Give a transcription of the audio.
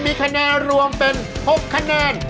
มีคะแนนรวมเป็น๖คะแนน